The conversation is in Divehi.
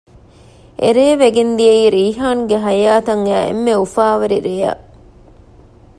އެރޭ ވެގެންދިޔައީ ރީޙާންގެ ޙަޔާތަށް އައި އެންމެ އުފާވެރި ރެޔަށް